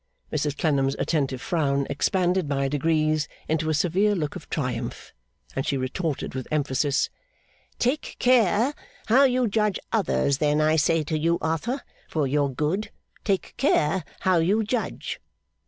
Mrs Clennam's attentive frown expanded by degrees into a severe look of triumph, and she retorted with emphasis, 'Take care how you judge others, then. I say to you, Arthur, for your good, take care how you judge!